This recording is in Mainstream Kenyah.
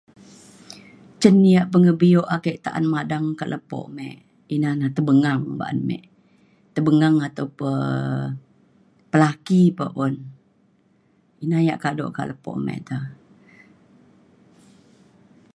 cin yak pengebio ake ta’an madang kak lepo me ina na tebengang ba’an me. tebengang atau pa pelaki pa un. ina yak kado kak lepo me te.